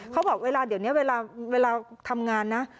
เขาบอกเวลาเดี๋ยวนี้เวลาทำงานนะ